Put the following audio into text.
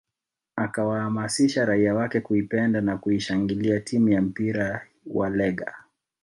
Akawaamasisha raia wake kuipenda na kuishangilia timu ya mpira wa Legger